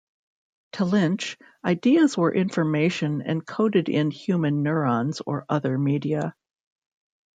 To Lynch, ideas were information encoded in human neurons or other media.